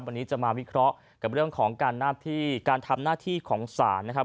วันนี้จะมาวิเคราะห์กับเรื่องของการหน้าที่การทำหน้าที่ของศาลนะครับ